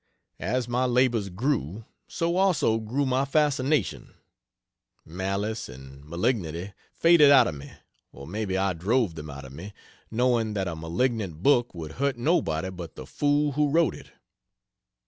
As my labors grew, so also grew my fascination. Malice and malignity faded out of me or maybe I drove them out of me, knowing that a malignant book would hurt nobody but the fool who wrote it.